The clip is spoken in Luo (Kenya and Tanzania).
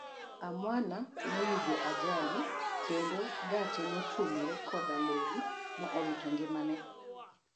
Amwana noyugo ajali kendo gache notuomore koda lori ma owito ngimane.